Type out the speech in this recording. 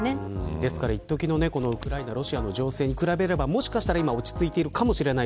ですから一時のウクライナ、ロシアの情勢に比べればもしかしたら今、落ち着いているかもしれない。